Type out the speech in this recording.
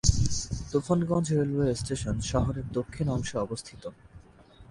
Tufanganj railway station শহরের দক্ষিণ অংশে অবস্থিত।